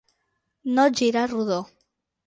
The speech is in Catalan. No girar rodó.